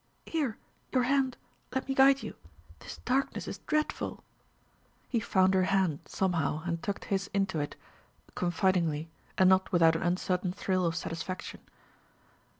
"Here your hand let me guide you. This darkness is dreadful ..." He found her hand, somehow, and tucked his into it, confidingly, and not without an uncertain thrill of satisfaction.